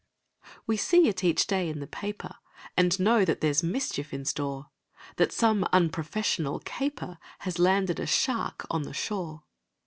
We see it each day in the paper, And know that there's mischief in store; That some unprofessional caper Has landed a shark on the shore.